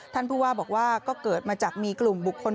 ท่านผู้ว่าบอกว่าก็เกิดมาจากมีกลุ่มบุคคล